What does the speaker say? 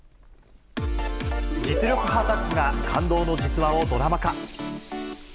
実力派タッグが感動の実話をドラマ化。